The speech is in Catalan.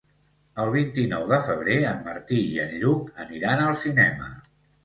El vint-i-nou de febrer en Martí i en Lluc aniran al cinema.